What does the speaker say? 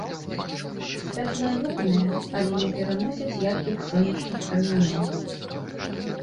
Святлалюбныя, але не пераносяць яркіх сонечных прамянёў.